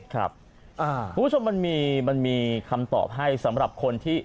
คุณผู้ชมมันมีคำตอบให้สำหรับคนที่